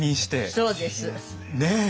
そうです。ねえ。